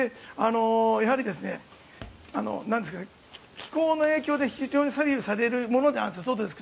やはり気候の影響で非常に左右されるものなんです